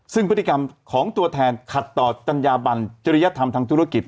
ซึ่งพฤติกรรมของตัวแทนขัดต่อจัญญาบันจริยธรรมทางธุรกิจ